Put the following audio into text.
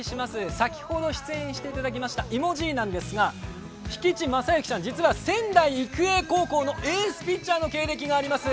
先ほど出演していただきました芋爺なんですが、引地正行さん、実は仙台育英高校のエースピッチャーの経歴があります。